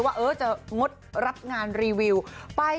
ผมบอกเลยว่าผมสุดท้ายเงินรีวิวมาก